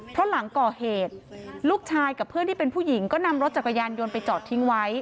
เพราะหลังก่อเหตุลูกชายกับเพื่อนที่เป็นผู้หญิงก็นำรถจักรยานยนต์ไปจอดทิ้งไว้